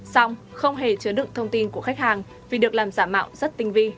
xong không hề chứa đựng thông tin của khách hàng vì được làm giả mạo rất tinh vi